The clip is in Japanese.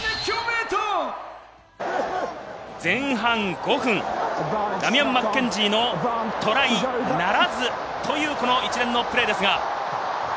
前半５分、ダミアン・マッケンジーのトライならずという一連のプレーです。